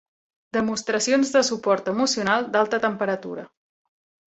Demostracions de suport emocional d'alta temperatura.